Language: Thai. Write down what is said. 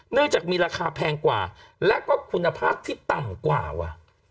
เนื่องจากมีราคาแพงกว่าและก็คุณภาพที่ต่ำกว่าว่ะ